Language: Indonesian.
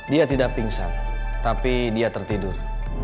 dia tidak pingsan tapi dia tertidur